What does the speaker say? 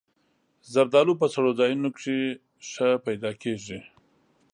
زردالو په سړو ځایونو کې ښه پیدا کېږي.